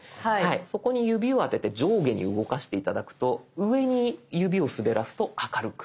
そこに指を当てて上下に動かして頂くと上に指を滑らすと明るく。